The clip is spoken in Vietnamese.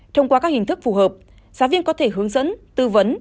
thông qua các hình thức phù hợp giáo viên có thể hướng dẫn tư vấn